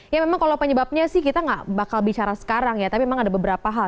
ya memang kalau penyebabnya sih kita nggak bakal bicara sekarang ya tapi memang ada beberapa hal